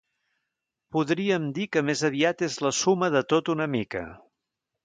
Podríem dir que més aviat és la suma de tot una mica.